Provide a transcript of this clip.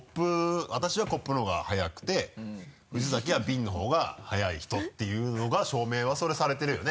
私はコップのほうが早くて藤崎はビンのほうが早い人っていうのが証明はそれされてるよね？